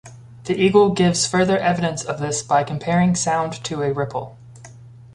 The eagle gives further evidence of this by comparing sound to a ripple.